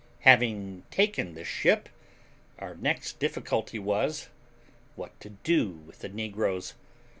Having taken this ship, our next difficulty was, what to do with the negroes.